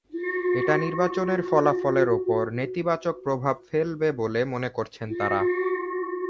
এটা নির্বাচনের ফলাফলের ওপর নেতিবাচক প্রভাব ফেলবে বলে মনে করছেন তাঁরা।